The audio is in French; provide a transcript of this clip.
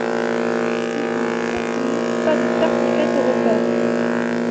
Si il continue, pas de tartiflette au repas.